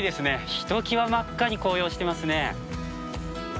ひときわ真っ赤に紅葉してますね。